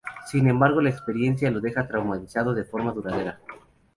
Sin embargo la experiencia lo deja traumatizado de forma duradera.